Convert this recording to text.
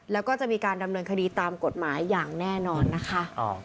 แล้วก็จะมีการดำเนินคดีตามกฎหมายอย่างแน่นอนนะคะ